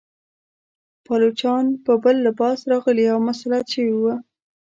پایلوچان په بل لباس راغلي او مسلط شوي وه.